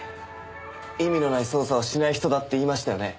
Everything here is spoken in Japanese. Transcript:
意味のない捜査はしない人だって言いましたよね？